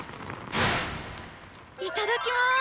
いただきます。